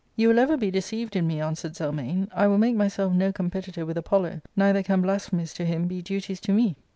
" You will ever be deceived in me," answered Zelmane: " I will make myself no competitor with Apollo; neither can blasphemies to him be duties to me."